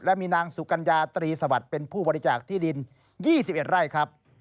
และมีนางสุกัญญาตรีสวัสดิ์เป็นผู้บริจาคที่ดิน๒๑ไร่ครับ